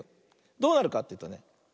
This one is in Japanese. どうなるかっていうとね。